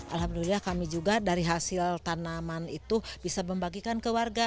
alhamdulillah kami juga dari hasil tanaman itu bisa membagikan ke warga